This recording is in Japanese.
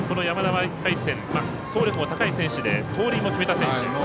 山田は１回戦、走力も高い選手で盗塁も決めた選手。